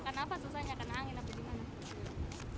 kenapa susah nggak kena angin apa gimana